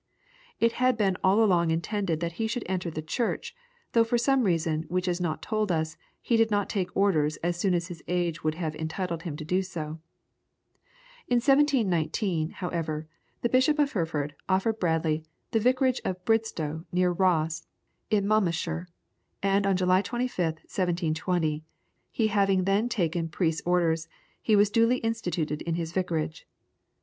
It had been all along intended that he should enter the Church, though for some reason which is not told us, he did not take orders as soon as his age would have entitled him to do so. In 1719, however, the Bishop of Hereford offered Bradley the Vicarage of Bridstow, near Ross, in Monmouthshire, and on July 25th, 1720, he having then taken priest's orders, was duly instituted in his vicarage.